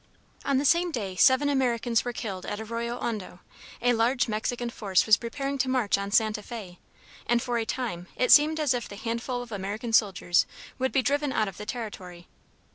On the same day seven Americans were killed at Arroyo Hondo; a large Mexican force was preparing to march on Santa Fé, and for a time it seemed as if the handful of American soldiers would be driven out of the territory.